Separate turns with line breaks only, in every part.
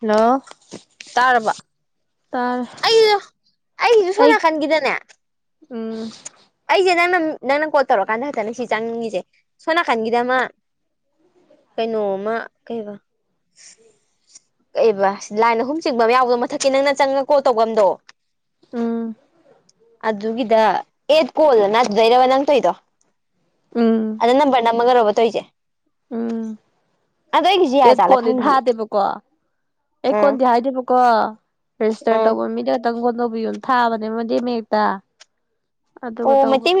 Hello
ꯇꯥꯔꯕ
ꯇꯥꯏ
ꯑꯩꯁꯨ ꯑꯩꯁꯨ ꯁꯣꯝ
ꯑꯩ
ꯅꯥꯀꯟꯒꯤꯗꯅꯦ
ꯎꯝ
ꯑꯩꯁꯦ ꯅꯪꯅ ꯅꯪꯅ ꯀꯣꯜ ꯇꯧꯔꯀꯥꯟꯗ ꯍꯛꯇ ꯅ ꯁꯤ ꯆꯪꯉꯤꯁꯦ ꯁꯣ ꯅꯥꯀꯟꯒꯤꯗꯑꯃ ꯀꯩꯅꯣꯃ ꯀꯩꯕ ꯀꯕ ꯂꯥꯏꯟ ꯑꯍꯨꯝ ꯆꯤꯡꯕ ꯑꯃ ꯌꯥꯎꯕꯣ ꯃꯊꯀꯤ ꯅꯪꯅ ꯆꯪꯉ ꯀꯣ ꯇꯧꯐꯝꯝꯗꯣ
ꯎꯝ
ꯑꯗꯨꯒꯤꯗ ꯑꯦꯠ ꯀꯣꯜꯅ ꯑꯗꯨꯗꯩꯔꯕ ꯅꯪ ꯇꯣꯏꯗꯣ
ꯎꯝ
ꯑꯗ ꯅꯝꯕꯔ ꯅꯝꯃꯒꯔ ꯑꯣꯏꯕ ꯇ ꯑꯣꯏꯁꯦ꯫
ꯎꯝ
ꯑꯗ ꯑꯩꯒꯤ ꯖꯤꯌꯥꯖꯥꯂ ꯈꯪꯗꯌꯦ꯫
ꯀꯣ ꯑꯦ ꯀꯣꯟ ꯗꯤꯍꯥꯏꯗꯕ ꯀꯣ ꯔꯦꯖꯤꯇꯔ
ꯑꯥ
ꯇꯧꯕ ꯃꯤꯗ ꯈꯤꯇꯪ ꯒꯣꯟꯗꯧꯕꯤꯌꯣ ꯊꯥꯕꯅꯦ ꯃꯗꯤꯦ ꯃꯦꯛꯇ ꯑꯗꯨꯒ
ꯑꯣ
ꯇꯧꯕ
ꯃꯩꯇꯩ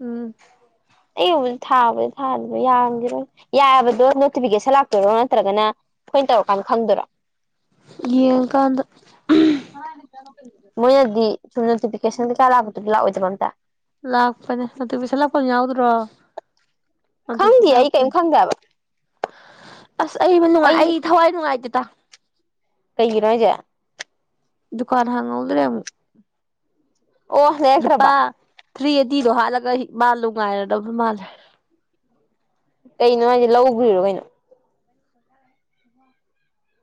ꯎꯝ
ꯑꯨꯕꯨ ꯊꯥꯕꯨ ꯊꯥ ꯌꯥꯔ ꯌꯥꯕꯗꯣ ꯅꯣꯇꯤꯐꯤꯀꯦꯁꯟ ꯂꯥꯛꯇꯣꯏꯔꯣ ꯅꯠꯇ꯭ꯔꯒꯅ ꯑꯩꯈꯣꯏ ꯇꯧꯔꯀꯥꯟꯗ ꯈꯪꯗꯔꯣ
ꯌꯦꯡ ꯀꯥꯟꯗ
ꯃꯣꯏꯅꯗꯤ ꯁꯨꯝ ꯅꯣꯇꯤꯐꯤꯀꯦꯁꯟ ꯀꯩꯀꯥ ꯂꯥꯛꯄꯗꯨꯗꯤ ꯂꯥꯛꯑꯣꯏꯗꯕ ꯑꯝꯇ
ꯂꯥꯛꯄꯅꯦ ꯑꯗꯨ ꯄꯩꯁꯥ ꯂꯥꯛꯄ ꯌꯥꯎꯗ꯭ꯔꯣ ꯃꯗ
ꯈꯪꯗꯦ ꯑꯩ
ꯂꯄ
ꯀꯔꯤꯝ ꯈꯪꯗꯦ ꯍꯥꯏꯕ
ꯑꯁ ꯑꯩ ꯃꯅ ꯑꯩ ꯊꯋꯥꯏ ꯅꯨꯡꯉꯥꯏꯇꯦꯇ
ꯀꯩꯒꯤꯅꯣꯏꯖꯦ
ꯗꯨꯀꯥꯟ ꯍꯥꯡꯉꯎꯗꯔꯦ ꯑꯃꯨꯛ
ꯑꯣ ꯍꯥꯏ
ꯂꯨꯄꯥ ꯊ꯭ꯔꯤ ꯑꯦꯗꯤꯤꯗꯣ ꯍꯥꯠꯂꯒ ꯃꯥꯜꯂꯣ ꯉꯥꯏꯔꯗꯕ ꯃꯥꯜꯂꯦ꯫
ꯀꯩꯅꯣ ꯍꯥꯏꯁꯦ ꯂꯧꯕꯔꯣ ꯀꯩꯅꯣ
ꯑ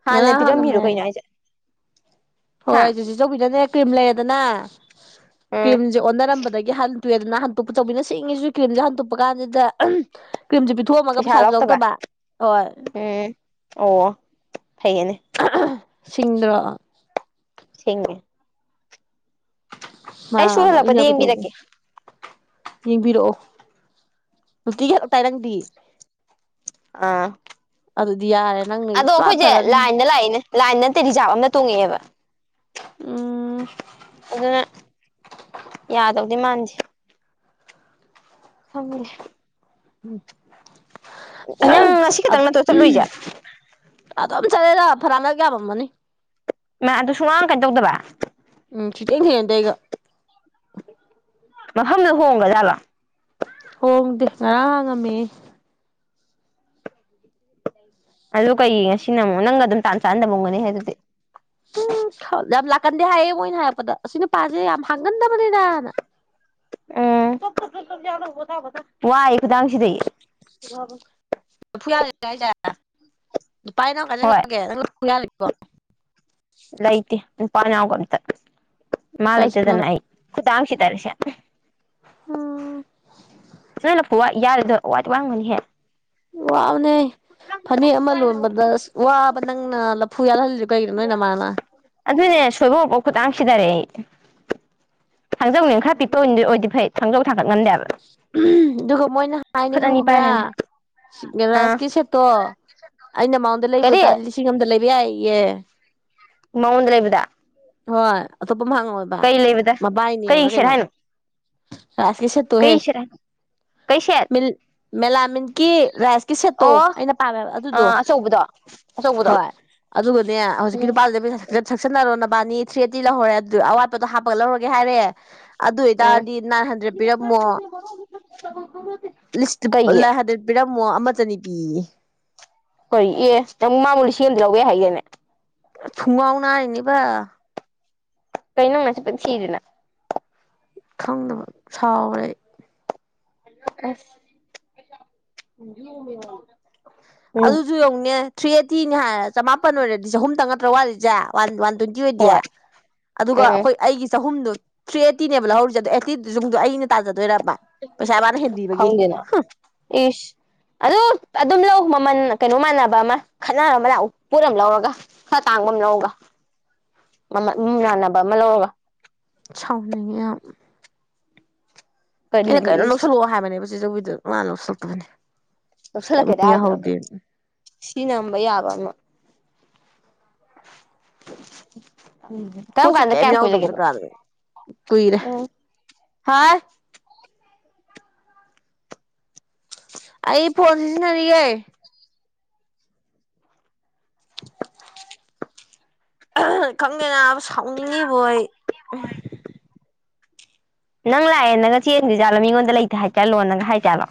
ꯍꯥꯟꯅ ꯄꯤꯔꯝꯃꯤꯔꯣ ꯀꯩꯅꯣ ꯍꯥꯏꯁꯦ꯫
ꯍꯣꯏ
ꯍꯥ
ꯑꯩꯁꯨꯦ ꯆꯤꯆꯧꯕꯤꯗꯅꯦ ꯀ꯭ꯔꯤꯝ ꯂꯩꯔꯗꯅ
ꯎꯝ
ꯀ꯭ꯔꯤꯝꯁꯦ ꯑꯣꯟꯅꯔꯝꯕꯗꯒꯤ ꯍꯅ ꯇꯨꯋꯦꯟꯗꯅ ꯍꯟꯇꯨꯞꯄ ꯆꯧꯕꯤꯅ ꯁꯤꯁꯤꯡꯉꯤꯁꯨ ꯀ꯭ꯋꯟꯗ ꯍꯟꯇꯣꯛꯄ ꯀꯥꯟꯁꯤꯗ ꯀ꯭ꯔꯤꯝꯁꯦ ꯄꯤꯊꯣꯛꯑꯝꯃꯒ
ꯄꯩꯁꯥ
ꯄꯩꯁꯥꯁꯨ
ꯂꯧꯔꯛꯇꯕ
ꯌꯥꯗꯕ ꯍꯣꯏ
ꯎꯝ ꯑꯣ ꯐꯩꯌꯦꯅꯦ꯫
ꯁꯤꯡꯗ꯭ꯔꯣ
ꯁꯤꯡꯑ
ꯃꯥ
ꯑꯩ ꯁꯨ
ꯑ
ꯍꯜꯂꯛꯄꯗ
ꯌꯥꯕ ꯇꯧꯕ
ꯌꯦꯡꯕꯤꯔꯛꯀꯦ
ꯌꯦꯡꯕꯤꯔꯛꯑꯣ ꯅꯨꯡꯇꯤꯒꯤ ꯍꯥꯛꯛꯇ ꯇꯥꯏꯔꯪꯗꯤ꯫
ꯑꯥ
ꯑꯗꯨꯗꯤ ꯌꯥꯔ
ꯑꯗꯣ ꯑꯩꯈꯣꯏꯁꯦ ꯂꯥꯏꯟꯗ ꯂꯥꯛꯏꯦꯅꯦ ꯂꯥꯏꯟ ꯅꯠꯇꯦ ꯔꯤꯖꯥꯕꯞ ꯑꯃꯅ ꯇꯣꯡꯉꯛꯑꯦꯕ
ꯎꯝ
ꯑꯗꯨꯅ ꯌꯥꯗꯧꯗꯤ ꯃꯥꯟꯗꯦ꯫ ꯐꯝꯃꯤ
ꯎꯝ
ꯅꯪ ꯉꯁꯤ ꯈꯤꯇꯪ ꯅꯠꯇꯧ ꯆꯠꯂꯨꯏꯁꯦ
ꯑꯗꯨꯝ ꯆꯠꯂꯦꯗ ꯐꯔꯥꯃꯛ ꯌꯥꯝꯃꯝꯃꯅꯤ
ꯃꯥ ꯑꯗꯨ ꯁꯨꯡꯃꯥꯡ ꯀꯩꯅ ꯇꯧꯗꯕ
ꯎꯝ ꯁꯨꯍꯦꯡ ꯍꯦꯡꯅꯗꯦ ꯑꯩꯒ
ꯃꯐꯝꯗ ꯍꯣꯡꯒ ꯖꯥꯠꯂꯣ
ꯍꯣꯡꯗꯦ ꯉꯔꯥꯡ ꯍꯥꯡꯉꯝꯃꯦ [unintelligible]
ꯑꯗꯨ ꯀꯩ ꯉꯁꯤꯅ ꯑꯃꯨꯛ ꯅꯪꯒ ꯑꯗꯨꯝ ꯇꯥꯟ ꯆꯥꯅꯗꯕꯒꯨꯝꯅꯤ ꯑꯗꯨꯗꯤ
ꯎꯝ ꯌꯥꯝ ꯂꯥꯛꯀꯟꯗꯦ ꯍꯥꯏꯌꯦ ꯃꯣꯏꯅ ꯍꯥꯏꯔꯛꯄꯗ ꯑꯁꯤ ꯅꯨꯄꯥꯁꯦ ꯌꯥꯝ ꯍꯥꯡꯒꯟꯗꯕꯅꯤꯗ
ꯎꯝ ꯋꯥꯏ ꯈꯨꯗꯥꯡꯁꯤꯗꯩ
[unintelligible]
ꯍꯣꯏ
[inaudible]
ꯂꯩꯇꯦ ꯅꯨꯄꯥ ꯌꯥꯎꯕ ꯃꯝꯇ ꯃꯥ ꯂꯩꯇꯦ
ꯀꯖꯤꯛꯅ
ꯑꯩ ꯈꯨꯗꯥꯡ ꯁꯤꯗꯔꯦ ꯁꯦ
ꯑꯣ
ꯅꯪ ꯂꯐꯨ ꯌꯥꯜꯂꯤꯗꯣ ꯋꯥꯗꯤ ꯋꯥꯔꯝꯒꯅꯤꯍꯦ
ꯋꯥꯕꯅꯦ ꯐꯅꯦꯛ ꯑꯃ ꯂꯣꯟꯕꯗ ꯑꯁ ꯋꯥꯕ ꯅꯪꯅ ꯂꯐꯨ ꯌꯥꯜꯍꯜꯂꯤꯗꯣ ꯀꯩꯒꯤꯅꯣ ꯅꯣꯏ ꯅꯃꯥꯥꯥꯅ
ꯑꯗꯨꯅꯦ ꯁꯣꯏꯕꯐꯥꯎ ꯈꯨꯇꯥꯡ ꯁꯤꯗꯔꯦ ꯑꯩ ꯈꯥꯡꯖꯧꯅ ꯈꯔ ꯄꯤꯛꯄ ꯑꯣꯏꯗꯤ ꯐꯩ ꯈꯥꯡꯖꯧ ꯊꯥꯡꯒꯠ ꯉꯟꯗꯦꯕ
ꯑꯗꯨꯒ ꯃꯣꯏꯅ ꯍꯥꯏꯅꯤ ꯈꯪꯕ꯭ꯔꯥ
ꯄꯥꯏꯔꯅ
ꯁꯤ
ꯑꯥ
ꯔꯥꯏꯁꯀꯤ ꯁꯦꯠꯇꯣ ꯑꯩꯅ ꯃꯥꯉꯣꯟꯗꯩ ꯂꯩꯕ
ꯀꯔꯤ
ꯑꯣꯏꯇꯥꯥꯔꯗꯤ ꯂꯤꯁꯤꯡ ꯑꯃꯝꯗ ꯂꯩꯕ ꯌꯥꯏꯌꯦ
ꯃꯉꯣꯟꯗꯩ ꯂꯩꯕꯗ
ꯍꯣꯏ ꯑꯇꯣꯞꯄ ꯍꯪꯉꯣꯏꯕ
ꯀꯩ ꯂꯩꯕꯗ ꯀꯩ
ꯃꯕꯥꯏꯅꯦꯕ꯭ꯔ
ꯁꯦꯠ
ꯀꯩꯅꯣ
ꯍꯥꯏꯅꯣ
ꯔꯥꯁꯀꯤꯁꯦꯠꯇꯨ ꯍꯦ
ꯀꯩ ꯁꯦꯠ ꯍꯥꯏꯅꯣ ꯀꯩ ꯁꯦꯠ
ꯃꯤ ꯃꯦꯂꯥꯃꯤꯟꯀꯤ ꯔꯥꯏꯁꯀꯤ ꯁꯦꯠꯇꯣ ꯑꯩꯅ ꯄꯥꯝꯃꯦꯕ ꯑꯗꯨꯗꯣ
ꯎꯗꯣ
ꯍꯣꯏ ꯑꯗꯨꯒꯅꯦ ꯍꯧꯖꯤꯛꯀꯤ ꯅꯨꯄꯥꯁꯤꯗ ꯄꯩꯁꯥ ꯁꯛꯆꯟꯅꯔꯣ ꯅꯕꯥꯅꯤ ꯊ꯭ꯔꯤꯑꯩꯠꯇꯤ ꯂꯧꯍꯧꯔꯦ ꯑꯗꯨ ꯑꯋꯥꯠꯄꯗꯣ ꯍꯥꯞꯄꯒ ꯂꯧꯔꯒꯦ ꯍꯥꯏꯔꯦ ꯑꯗꯨ
ꯎꯝ
ꯑꯣꯏꯇꯥꯔꯗꯤ ꯅꯥꯏꯟ ꯍꯟꯗ꯭ꯔꯦꯠ ꯄꯤꯔꯝꯃꯣ ꯂꯤꯁꯇ
ꯀꯩꯒꯤ
ꯂꯥꯏ ꯍꯟꯗ꯭ꯔꯦꯠ ꯄꯤꯔꯝꯃꯣ ꯑꯃ ꯆꯅꯤ ꯄꯤꯌꯦ
ꯀꯩ ꯑꯦ ꯅꯪ ꯃꯥꯕꯨ ꯂꯤꯁꯤꯡ ꯑꯝꯗ ꯂꯧꯌꯦ ꯍꯥꯏꯒꯤꯗꯥꯏꯅꯦ
[unintelligible]
ꯀꯩꯅꯣ ꯅꯆꯤꯟ ꯊꯤꯔꯤꯗꯨꯅ
ꯈꯪꯗꯕ ꯁꯥꯎꯔꯦ ꯑꯩ
ꯑꯁ [unintelligible]
ꯑꯗꯨꯖꯨ ꯌꯦꯡꯎꯅꯦ ꯊ꯭ꯔꯤ ꯑꯩꯠꯇꯤꯅꯤ ꯍꯥꯏ ꯆꯃꯥꯄꯟ ꯑꯣꯏꯔꯗꯤ ꯆꯍꯨꯝ ꯇꯪ ꯅꯠꯇ꯭ꯔ ꯋꯥꯠꯂꯤꯖꯦ ꯋꯥꯟ ꯋꯥꯟ ꯇ꯭ꯋꯦꯟ ꯇꯤ ꯑꯣꯏꯗꯤ
ꯍꯣꯏ
ꯑꯗꯨꯒ
ꯎꯝ
ꯑꯈꯣꯏ ꯑꯩꯒꯤ ꯆꯍꯨꯝꯗꯣ ꯊ꯭ꯔꯤ ꯑꯩꯠꯇꯤꯅꯦꯕ ꯂꯧꯍꯧꯔꯤꯖꯦ ꯑꯗꯣ ꯑꯩꯠꯇꯤꯗꯨꯖꯨꯡꯗꯨ ꯑꯩꯅ ꯇꯥꯖꯗꯣꯏꯔꯕ ꯄꯩꯁꯥ ꯃꯥꯅ ꯍꯦꯟꯕꯤꯕꯒꯤ
ꯏꯁ ꯑꯗꯣ ꯑꯗꯨꯝ ꯂꯧ ꯃꯃꯟ ꯀꯩꯅꯣ ꯃꯥꯟꯅꯕ ꯑꯃ ꯈꯠꯅꯔꯝꯃ ꯂꯥꯛꯎ ꯄꯣꯠ ꯑꯝ ꯂꯧꯔꯒ ꯈ ꯇꯥꯡꯕꯝ ꯂꯧꯒ ꯃꯃ ꯃꯤ ꯌꯥꯥꯟꯅꯕ ꯑꯃ ꯂꯧꯔꯒ
ꯁꯥꯎꯅꯤꯡꯉꯦ ꯌꯥꯝ ꯑꯩꯅ
ꯀꯔꯤꯒꯤ
ꯀꯩꯅꯣꯝ ꯂꯧꯁꯤꯜꯂꯛꯑꯣ ꯍꯥꯏꯕꯅꯦꯕ ꯆꯤꯖꯧꯕꯤꯗ ꯃꯥꯅ ꯂꯧꯁꯤꯜꯂꯛꯇꯕꯅꯦ
ꯂꯧꯁꯜꯂꯛꯀꯦꯗ ꯍꯥꯏꯗ꯭ꯔꯒ ꯁꯤ ꯅꯝꯕ ꯌꯥꯕ ꯑꯃ ꯀꯝ
ꯄꯣꯠꯁꯨ
ꯀꯥꯟꯗ
ꯀꯩꯝ
ꯀ꯭ꯌꯥꯝ
ꯌꯥꯎꯗꯕ
ꯀꯨꯏꯔꯒꯦꯕ
ꯖꯒꯥꯗꯅꯦ ꯀꯨꯏꯔꯦ
ꯎꯝ
ꯍꯥ ꯑꯩ ꯐꯣꯟ ꯁꯤꯖꯤꯟꯅꯔꯤꯌꯦ ꯈꯪꯗꯦ ꯅꯥꯕ ꯁꯥꯎꯅꯤꯡꯉꯤꯕꯣ ꯑꯩ
ꯅꯪ ꯂꯥꯛꯑꯦꯅꯒ ꯆꯦꯟꯒ꯭ꯔꯤꯖꯥꯠꯂꯣ ꯃꯤꯉꯣꯟꯗ ꯂꯩꯇꯦ ꯍꯥꯏꯠꯖꯜꯂꯣꯟꯅꯒ ꯍꯥꯏ ꯖꯥꯠꯂꯣ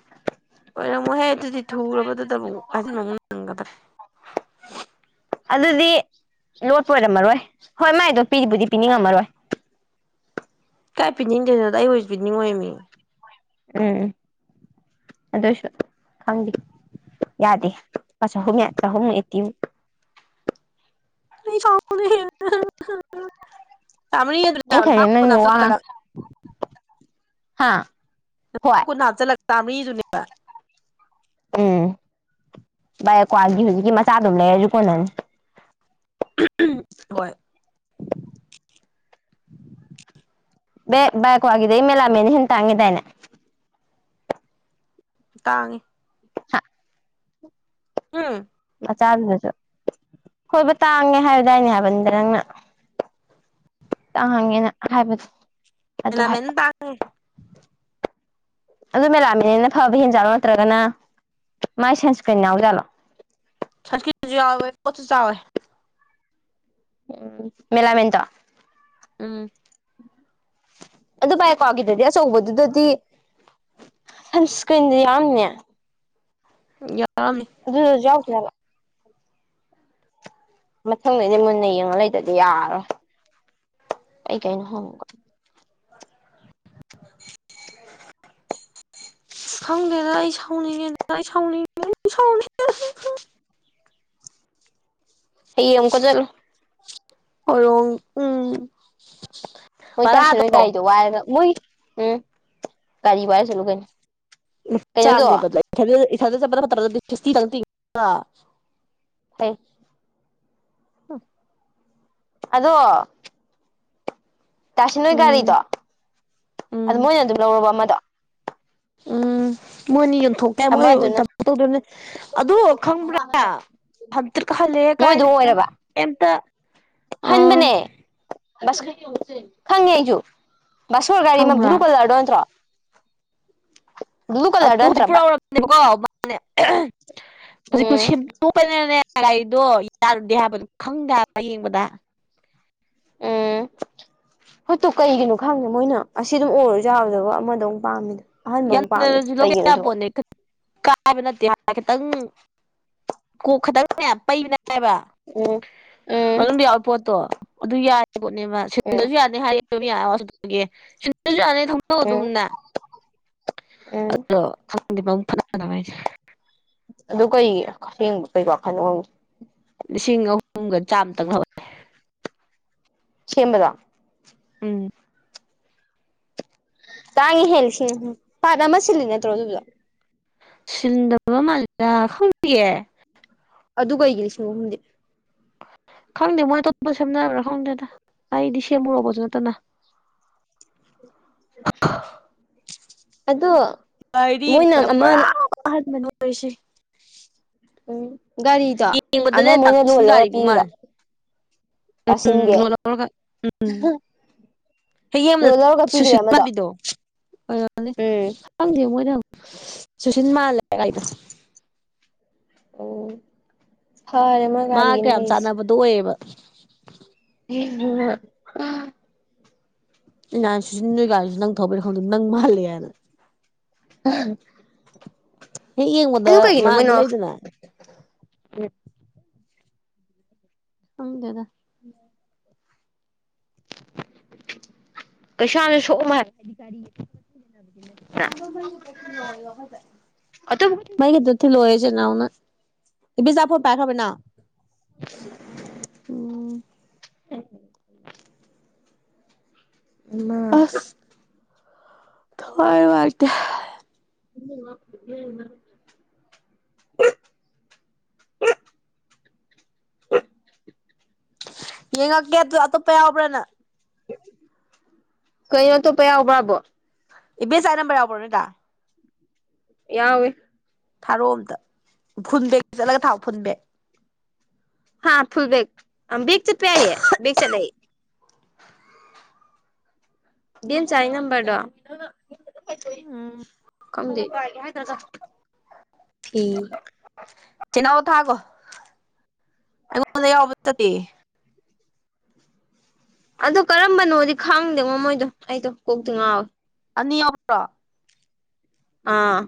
ꯑꯣꯏꯔꯝꯃꯣꯏꯍꯦ ꯑꯗꯨꯗꯤ ꯊꯨꯒ꯭ꯔꯕꯗꯨꯗ ꯑꯃꯨꯛ ꯍꯥꯏꯖꯤꯟꯕ ꯑꯃꯨꯛ ꯅꯪꯒꯗ꯭ꯔ
ꯑꯗꯨꯗꯤ ꯂꯣꯠꯄ ꯑꯣꯏꯔꯝꯃꯔꯣꯏ ꯍꯣꯏ ꯃꯥꯏꯗꯣ ꯄꯤꯕꯨꯗꯤ ꯄꯤꯅꯤꯡꯉꯝꯃꯔꯣꯏ
ꯀꯥꯏ ꯄꯤꯅꯤꯡꯗꯣꯏꯅꯣꯗ ꯑꯩ ꯑꯣꯏꯖꯨ ꯄꯤꯅꯤꯡꯉꯣꯏꯃꯤ
ꯎꯝ ꯑꯗꯣꯏꯁꯨ ꯈꯪꯗꯦ ꯌꯥꯗꯦ ꯂꯨꯄꯥ ꯆꯍꯨꯝꯌꯥ ꯆꯍꯨꯝ ꯑꯩꯠꯇꯤꯕꯨ
ꯑꯩ ꯁꯥꯎꯅꯤꯡꯉꯦ
[inaudible] ꯑꯩꯅ ꯈꯜꯂꯦ ꯅꯪ ꯋꯥ
[unintelligible]
ꯍꯥꯥ ꯍꯣꯏ
ꯀꯨꯟ ꯍꯥꯞꯆꯤꯜꯂ ꯆꯥꯃ꯭ꯔꯤꯗꯨꯅꯦꯕ
ꯎꯝ ꯚꯥꯏ ꯀ꯭ꯋꯥꯒꯤ ꯍꯨꯖꯤꯛꯀꯤ ꯃꯆꯥꯗꯨꯝ ꯂꯩꯔꯖꯨ ꯀꯣꯟꯅꯅꯤ
[unintelligible] ꯍꯣꯏ
ꯕꯦ ꯚꯥꯏ ꯀ꯭ꯋꯥꯒꯤꯗꯩ ꯃꯦꯂꯥꯃꯦꯟꯅ ꯍꯦꯟ ꯇꯥꯡꯉꯦꯗꯥꯏꯅꯦ
ꯇꯥꯡꯉꯦ
ꯍꯥ
ꯎꯝ
ꯃꯆꯥꯗꯨꯗꯁꯨ ꯍꯣꯏꯕ ꯇꯥꯡꯉꯦ ꯍꯥꯏꯕꯗꯥꯏꯅꯦ ꯍꯥꯏꯕꯅꯤꯗ ꯅꯪꯅ ꯇꯥꯡꯉꯦꯅ ꯍꯥꯏꯕ ꯑꯗꯨ
ꯃꯦꯂꯥꯃꯦꯟ ꯇꯥꯡꯉꯦ
ꯑꯗꯨ ꯃꯦꯂꯥꯃꯦꯟꯅ ꯐꯕ ꯍꯦꯟꯖꯥꯠꯂꯣ ꯅꯠꯇ꯭ꯔꯒꯅ ꯃꯥꯏ ꯁꯟꯁꯀ꯭ꯔꯤꯟ ꯌꯥꯎꯖꯥꯠꯂꯣ
ꯁꯟꯁꯀ꯭ꯔꯤꯟꯖꯨ ꯌꯥꯎꯋꯦ ꯄꯣꯠꯁꯨ ꯆꯥꯎꯑꯦ
ꯎꯝ ꯃꯦꯂꯥꯃꯦꯟ ꯗꯣ
ꯎꯝ
ꯑꯗꯨ ꯚꯥꯏ ꯀ꯭ꯋꯥꯒꯤꯗꯗꯤ ꯑꯆꯧꯕꯗꯨꯗꯗꯤ ꯁꯟꯁꯀ꯭ꯔꯤꯟꯗꯤ ꯌꯥꯎꯔꯝꯅꯤ
ꯎꯝ [unintelligible]
ꯑꯗꯨꯗꯖꯨ ꯌꯥꯎꯇꯌꯥꯠꯂꯣ ꯃꯊꯪꯗꯩꯗꯤ ꯃꯨꯟꯅ ꯌꯦꯡꯉ ꯂꯩꯗꯗꯤ ꯌꯥꯔꯣꯏ ꯑꯩ ꯀꯩꯅꯣ ꯍꯪꯒ
[inaudible] ꯈꯪꯗꯦꯗ ꯑꯩ ꯁꯥꯎꯅꯤꯡꯉꯦꯗ ꯑꯩ ꯁꯥꯎꯅꯤꯏ ꯁꯥꯎꯅꯤ [unintelligible]
ꯍꯌꯦꯡ ꯑꯃꯨꯛꯀ ꯆꯠꯂꯣ
[unintelligible] ꯎꯝ
ꯃꯣꯏ
ꯕꯔꯥꯗꯣ
ꯇꯥꯏꯁꯟꯍꯣꯏ ꯒꯥꯔꯤꯗꯣ ꯋꯥꯏꯔꯒ ꯃꯣꯏ ꯎꯝ ꯒꯥꯔꯤ ꯋꯥꯏꯔ ꯆꯠꯂꯨ ꯀꯩꯅꯣ ꯀꯩꯅꯣꯗꯣ
[unintelligible]
ꯍꯩ
[unintelligible]
ꯑꯗꯣ ꯇꯥꯏꯁꯟꯍꯣꯏ
ꯎꯝ
ꯒꯥꯔꯤꯗꯣ ꯑꯗꯨ
ꯎꯝ
ꯃꯣꯏꯅ ꯑꯗꯨꯝ ꯂꯧꯔꯕ ꯑꯃꯗꯣ
ꯎꯝ ꯃꯣꯏꯅꯤ ꯌꯣꯟꯊꯣꯛ
ꯑꯃꯗꯨꯅ
[unintelligible] ꯑꯗꯨ ꯈꯪꯕ꯭ꯔꯥ ꯍꯟꯇ꯭ꯔꯤꯛ ꯍꯜꯂꯦꯍꯦ
ꯃꯣꯏꯗꯣ
ꯀꯥꯏꯗꯩꯅꯣ
ꯑꯣꯏꯔꯕ
ꯀꯦꯝꯇ
ꯍꯟꯕꯅꯦ ꯈꯪꯉꯦ ꯑꯩꯁꯨꯨ ꯕꯥꯁꯣꯔ ꯒꯥꯔꯤ ꯑꯃ
ꯈꯪꯕ꯭ꯔꯥ
ꯕ꯭ꯂꯨ ꯀꯂꯔꯗꯣ ꯅꯠꯇ꯭ꯔꯣ ꯕ꯭ꯂꯨ ꯀꯂꯔꯗꯣ
ꯑꯗꯨ ꯍꯧꯖꯤꯛ
ꯅꯠꯇ꯭ꯔꯕ
ꯄꯨꯔꯥꯎꯔꯛꯄꯅꯦꯕꯀꯣ ꯃꯥꯅꯦ
ꯎꯝ
[unintelligible] ꯇꯣꯛꯄꯅꯤꯅꯅꯦ ꯒꯥꯔꯤꯗꯣ ꯌꯥꯔꯨꯗꯦ ꯍꯥꯏꯕꯗꯣ ꯈꯪꯗꯕ ꯍꯥꯏꯕ ꯌꯦꯡꯕꯗ [inaudible]
ꯍꯣꯠꯇꯨ ꯀꯩꯒꯤꯅꯣ ꯈꯪꯗꯦ ꯃꯣꯏꯅ ꯑꯁꯤ ꯑꯗꯨꯝ ꯑꯣꯏꯔꯁꯨ ꯌꯥꯕꯗꯨꯕꯣ ꯑꯃꯗꯣ ꯑꯃꯨꯛ ꯄꯥꯝꯃꯤꯗꯣ ꯑꯍꯟꯕ ꯑꯃꯨꯛ ꯄꯥꯝꯃꯤꯗꯣ
[unintelligible] ꯂꯧꯒꯦ
ꯀꯩꯒꯤꯅꯣꯗꯨꯕꯨ
ꯌꯥꯄꯣꯠꯅꯦ ꯀꯥꯕ ꯅꯠꯇꯦ [unintelligible] ꯈꯤꯇꯪ ꯀꯣꯛ ꯈꯇꯪꯅꯦ ꯄꯩꯕꯅꯦꯕ
ꯎꯝ ꯎꯝ
ꯃꯅꯨꯡꯗ ꯌꯥꯎꯕ ꯄꯣꯠꯇꯣ ꯑꯗꯨ ꯌꯥꯔꯦ ꯄꯣꯠꯅꯦꯕ
ꯎꯝ
ꯁꯤꯂꯤꯟꯗꯔꯁꯨ ꯌꯥꯅꯤ ꯍꯥꯏꯔ ꯁꯤ ꯆꯅꯤ ꯊꯧꯗꯧ
ꯎꯝ
ꯑꯗꯨꯝꯅ
ꯎꯝ
ꯑꯗꯨꯗꯣ ꯈꯪꯗꯦ ꯃ ꯐꯅ ꯐꯅꯥꯏꯁꯦ
ꯑꯗꯨ ꯀꯩ ꯍꯕ ꯀꯩ ꯋꯥꯈꯜꯣ
ꯂꯤꯁꯤꯡ ꯑꯍꯨꯝꯒ ꯆꯥꯝꯃ ꯇꯪ
ꯁꯦꯝꯕꯗ
ꯎꯝ
ꯇꯥꯡꯉ ꯍꯦꯜꯂꯤ ꯐꯥꯠꯅ ꯑꯃ ꯁꯤꯜꯂꯤ ꯅꯠꯇ꯭ꯔꯣ ꯑꯗꯨꯗꯣ
ꯁꯤꯟꯗꯕ ꯃꯥꯜꯂꯤꯂ ꯈꯪꯁꯤꯒꯦ
ꯑꯗꯨꯗꯒꯣ ꯑꯣꯏꯒꯤꯁꯤ ꯍꯦ
ꯈꯪꯗꯦ ꯃꯣꯏ ꯑꯇꯣꯞꯄ ꯁꯦꯝꯅꯔꯕ꯭ꯔꯥ ꯈꯪꯗꯦꯗ ꯑꯩꯗꯤ ꯁꯦꯝꯃꯨꯔꯣꯕꯁꯨ ꯅꯠꯇꯅ [unintelligible]
ꯑꯗꯣ
ꯃꯔꯤꯅ
ꯃꯣꯏꯅ ꯑꯃ
ꯄꯨ꯭ꯔꯥ ꯑ ꯃꯅ ꯄꯩꯁꯤ
ꯎꯝ ꯒꯥꯔꯤꯗꯣ ꯑꯃ
ꯌꯦꯡꯕꯗꯅꯦ
ꯃꯣꯏꯅ
ꯇꯥꯃꯣꯁꯤꯡ
ꯂꯣꯜꯂꯒ
ꯒꯥꯔꯤꯕꯨ
ꯄꯤꯔꯣ
ꯃꯥꯜꯂꯦ ꯎꯝ
ꯋꯥꯁꯤꯟꯒꯦ
ꯂꯣꯟ ꯍꯌꯦ ꯌꯦꯡꯕꯗ ꯁꯨꯁꯤ ꯃꯥꯟꯕꯤꯗꯣ ꯑꯣꯏꯔꯅꯦ
ꯎꯝ
ꯈꯪꯗꯦ ꯃꯣꯏꯗ ꯆꯨꯁꯤꯟ ꯃꯥꯜꯂꯦ ꯀꯥꯏꯗꯣ
ꯑꯣ ꯍ
ꯃꯥ ꯀꯌꯥꯝ ꯆꯥꯟꯅꯕꯗꯣ ꯑꯣꯏꯌꯦꯕ
[unintelligible]
ꯏꯩꯅ ꯁꯤꯁꯤ ꯅꯣꯏ ꯀꯥꯁꯨ ꯅꯪ ꯊꯧꯕꯩ ꯈꯪꯗꯦ ꯅꯪ ꯃꯥꯜꯂꯦ ꯍꯥꯏꯅ
[unintelligible]
ꯍꯦꯛ ꯌꯦꯡꯕꯗ
ꯑꯗꯨ ꯀꯩꯒꯤꯅꯣ
ꯃꯥꯟꯕ
ꯃꯣꯏꯅ
ꯂꯩꯗꯅ ꯍꯪꯗꯦꯗ
ꯎꯝ ꯀꯩꯁꯥꯅ ꯁꯣꯛꯑꯝꯃ ꯍꯥꯏ
ꯆꯥꯅ ꯃ ꯀ ꯑꯣꯏꯣ ꯍꯖꯥꯏ
ꯑꯇꯣꯞꯄ
ꯃꯩꯒꯤꯗ ꯊꯤ ꯂꯣꯏꯔꯁꯦ ꯅꯅꯥꯎꯅ ꯏꯕꯤꯆꯥꯄꯣꯠ ꯄꯥꯏꯈ꯭ꯔꯕꯅ ꯎꯝ
ꯑ
ꯑꯁ ꯊ ꯋꯥꯇꯌꯥ
ꯎꯝ
ꯌꯦꯡꯉꯛꯀꯦ ꯑꯗꯨ ꯑꯇꯣꯞꯄ ꯌꯥꯎꯕ꯭ꯔꯥꯅ
ꯀꯩꯅꯣ ꯑꯇꯣꯞꯄ ꯌꯥꯎꯕ꯭ꯔꯕꯣ
ꯏꯕ ꯌꯥ ꯆꯥꯏ ꯅꯝꯕꯔꯎꯔꯣ ꯅꯠꯇꯗꯥ
ꯌꯥꯋꯦ
ꯊꯥꯔꯣ ꯑꯝꯇ ꯐꯨꯟꯕꯦꯒ ꯆꯠꯂꯒ ꯊꯥꯎ ꯐꯨꯟꯕꯦꯛ
ꯍꯥ ꯐꯨꯜ ꯕꯦꯛ ꯕꯦꯛ ꯆꯠꯄ ꯌꯥꯏꯌꯦꯦ ꯦꯛ ꯆꯠꯂ ꯕꯤꯦꯟꯆꯥꯔꯤ ꯅꯝꯕꯔꯗꯣ ꯀ ꯐꯤ
ꯆꯅꯥꯎ ꯊꯥꯈꯣ ꯑꯩꯉꯣꯟꯗ ꯌꯥꯎꯕ ꯆꯠꯇꯦ
ꯑꯗꯣ ꯀꯔꯝꯕꯅꯣꯗꯤ ꯈꯥꯡꯗꯦ ꯃꯣ ꯃꯣꯏꯗꯣ ꯑꯩꯗꯣ ꯀꯣꯛꯇꯤ ꯉꯥꯎꯋꯦ
ꯑꯅꯤ ꯌꯥ꯭ꯔꯣ
ꯑ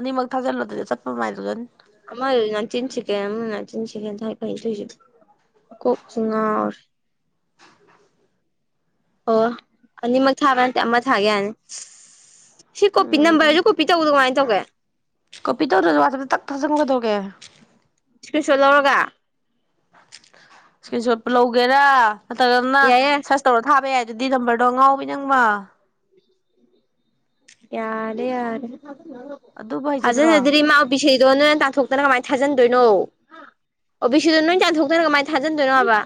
ꯑꯅꯤꯃꯛ ꯊꯥꯖꯤꯜꯂꯣ ꯑꯗꯨꯗꯤ ꯆꯠꯄ ꯃꯥꯏꯗꯨꯗꯅ
ꯑꯃꯥꯏ ꯅꯅꯥꯆꯤꯟꯁꯤꯦ ꯑ ꯅꯆꯤꯟꯁꯤꯦ ꯊꯥꯏ ꯀ ꯊꯣꯏꯁꯤ ꯀꯁꯨ ꯉꯔ ꯑꯣ ꯑꯅꯤꯃꯛ ꯊꯥꯕ꯭ꯔ ꯅꯠꯇꯦ ꯑꯃ ꯊꯥꯒꯦ ꯌꯥꯅꯤ ꯁꯤ ꯀꯣꯄꯤ
ꯎꯝ
ꯅꯝꯕꯔꯁꯨ ꯀꯣꯄꯤ ꯇꯧꯕꯗꯣ ꯀꯃꯥꯏꯅ ꯇꯧꯒꯦ
ꯀꯣꯄꯤ ꯇꯧꯗ꯭ꯔꯁꯨ ꯋꯥꯠꯗ ꯇꯛ ꯊꯥꯖꯟꯉꯨꯒꯗꯧꯒꯦ
ꯏꯁꯀ꯭ꯔꯤꯞꯁꯣ ꯂꯧꯔꯒ
ꯏꯁ꯭ꯀꯔꯤꯟ ꯁꯣꯠꯄꯨ ꯂꯧꯒꯦꯔꯥ ꯅꯠꯇ꯭ꯔꯒꯅ
ꯌꯥꯏꯌꯦ
ꯁꯥꯁ ꯇꯧꯔ ꯊꯥꯕ ꯌꯥꯏ ꯗꯨꯗꯤ ꯅꯝꯕꯔꯗꯣ ꯑꯉꯥꯎꯕꯤ ꯅꯪꯕꯣ
ꯌꯥꯔꯦ ꯌꯥꯔꯦ
ꯑꯗꯨꯕꯨ ꯍꯩꯖꯗ꯭ꯔꯣ
ꯊꯖꯅꯗꯔꯤ ꯃꯥ ꯄꯤꯁꯤꯗꯣ ꯅꯪ ꯇꯥꯟꯊꯣꯛꯇꯅ ꯀꯃꯥꯏꯅ ꯊꯥꯖꯟꯗꯣꯏꯅꯣ ꯑꯣ ꯕꯤꯁꯤꯗꯣ ꯅꯣꯏ ꯇꯥꯟꯊꯣꯛꯇꯅ ꯀꯃꯥꯏꯟ ꯊꯥꯖꯤꯟꯗꯣꯏꯅꯣꯕ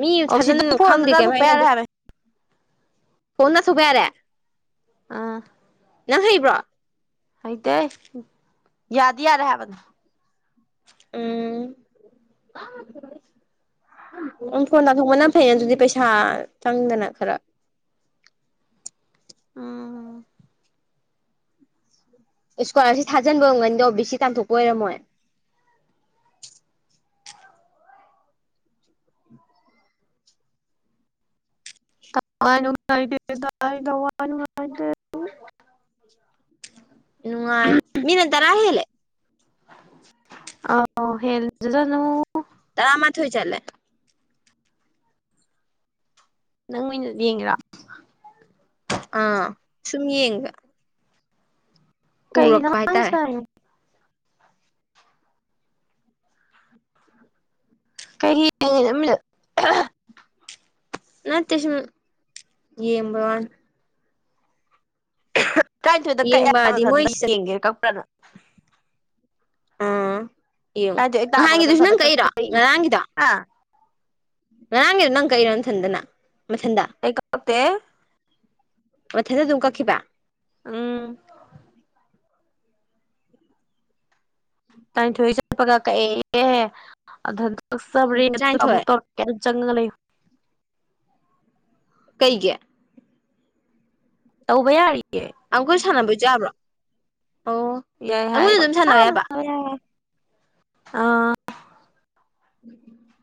ꯃꯤ
ꯑꯣ
ꯊꯥꯖꯤꯟ
ꯁꯤꯗ ꯐꯣꯟ ꯑꯝꯇ
ꯈꯪꯗꯦ ꯀꯩꯝ
ꯇꯥꯊꯣꯛꯄ ꯌꯥꯔꯦ
ꯍꯥꯏꯅꯗꯦ
ꯍꯥꯏꯕꯅꯦ
ꯐꯣꯟꯅ ꯂꯧꯊꯣꯛꯄ ꯌꯥꯔꯦ
ꯑꯥ
ꯅꯪ ꯍꯩꯕ꯭ꯔꯣ
ꯍꯩꯇꯦ ꯌꯥꯗꯤ ꯌꯥꯔꯦ ꯍꯥꯏꯕꯅꯤ
ꯎꯝ ꯎꯝ ꯐꯣꯟ ꯂꯥꯊꯣꯛꯕꯅ ꯐꯩꯌꯦ ꯑꯗꯨꯗꯤ ꯄꯩꯁꯥ ꯆꯪꯗꯅ ꯈꯔ
ꯎꯝ
ꯏꯁꯀ꯭ꯋꯥꯂꯔꯁꯤꯞ ꯊꯥꯖꯟꯕ ꯑꯣꯏꯔꯝꯒꯅꯤꯗꯣ ꯕꯤ ꯁꯤ ꯇꯥꯟꯊꯣꯛꯄ ꯑꯣꯏꯔꯝꯃꯣꯏ
ꯊꯋꯥꯏ ꯅꯨꯉꯥꯏꯇꯦ ꯑꯩ ꯊꯋꯥꯏ ꯅꯨꯉꯥꯏꯇꯦ
ꯅꯨꯡꯉꯥꯏ ꯃꯤꯅꯠ ꯇꯔꯥ ꯍꯦꯂꯦ
ꯑꯥꯎ ꯍꯦꯟꯖꯥꯖꯅꯨ
ꯇꯔꯥꯃꯥꯊꯣꯏ ꯆꯠꯂꯦ
ꯅꯪ ꯃꯤꯅꯠ ꯌꯦꯡꯉꯤꯔꯣ
ꯑꯥ ꯁꯨꯝ ꯌꯦꯡꯉꯤꯕ
ꯀꯩꯒꯤꯅꯣ
ꯍꯥꯏꯇꯥꯔꯦ
[unintelligible] ꯀꯩꯒꯤ ꯌꯦꯡꯉꯤꯅꯣ ꯃꯤꯅꯠ
ꯅꯠꯇꯦ ꯁꯨꯝ ꯌꯦꯡꯕ ꯋꯥꯅꯤ
ꯇꯔꯥꯅꯤꯊꯣꯏꯗ ꯀꯛꯑꯦ ꯍꯥꯏꯕ
ꯌꯦꯡꯕꯗꯤ ꯃꯣꯏ
ꯃꯊꯟꯇ
ꯆꯠ
ꯌꯦꯡꯒꯦ ꯀꯛꯄ꯭ꯔꯥꯅ
ꯑꯥ ꯌꯦꯡꯉꯨ
ꯇꯔꯥꯅꯤꯊꯣꯏ ꯍꯦꯛ ꯇꯥꯕꯒ
ꯅꯍꯥꯟꯒꯤꯗꯨꯁꯨ
ꯃꯊꯟꯇꯥ
ꯅꯪ ꯀꯛꯏꯔꯣ
ꯀꯛꯆꯩ ꯍꯥ
ꯉꯥꯔꯡꯒꯤꯗꯣ ꯅꯪ ꯀꯛꯏꯔꯣ ꯅꯊꯟꯇꯅ ꯃꯊꯟꯗ
ꯑꯩ ꯀꯛꯇꯦ
ꯃꯊꯟꯗ ꯑꯗꯨꯝ ꯀꯛꯈꯤꯕ
ꯎꯝ ꯇꯔꯥꯅꯤꯊꯣꯏ ꯆꯠꯄꯒ ꯀꯛꯑꯦꯌꯦ ꯑꯗꯨ ꯊꯟꯇ ꯀꯛꯆꯕ꯭ꯔꯥ ꯑꯗꯨꯒ ꯑꯃꯨꯛ
ꯇꯔꯥꯅꯤꯊꯣꯏ
ꯇꯧꯔ ꯀꯩꯝ ꯆꯪꯉꯥꯒ ꯂꯩꯌꯨ
ꯀꯩꯒꯤ
ꯇꯧꯕ ꯌꯥꯔꯤꯌꯦ
ꯑꯪꯀꯥꯖꯨ ꯁꯥꯟꯅꯕꯖꯨ ꯌꯥꯕ꯭ꯔꯣ ꯑꯣ
ꯌꯥꯏ
ꯑꯩꯉꯣꯟꯗ ꯑꯗꯨꯝ
ꯄꯪꯁꯥꯟ
ꯌꯥꯕ
ꯁꯥꯟꯅꯕ ꯌꯥꯏ ꯍꯥꯏ ꯑꯥ
ꯎꯝ ꯎꯝ